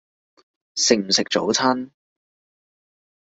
食唔食早餐？